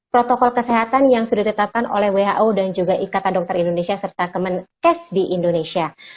protokol kesehatan yang sudah ditetapkan oleh who dan juga ikatan dokter indonesia serta kemenkes di indonesia